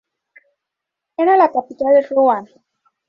Era la capital de Rohan.